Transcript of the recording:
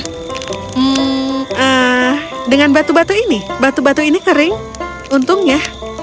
hmm dengan batu batu ini batu batu ini kering untungnya